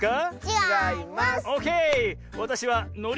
ちがいます。